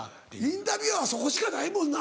インタビュアーはそこしかないもんな。